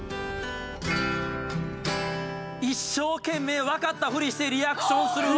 「一生懸命分かったフリしてリアクションする」